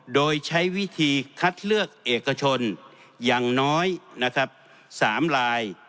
โดยใช้วิธีคัดเลือกเอกชนอย่างน้อยนะครับ๓ลาย